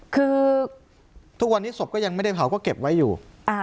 คือทุกวันนี้ศพก็ยังไม่ได้เผาก็เก็บไว้อยู่